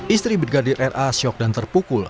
istri brigadir ra syok dan terpukul